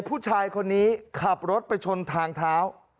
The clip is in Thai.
ผู้ชายคนนี้ขับรถไปชนทางเท้า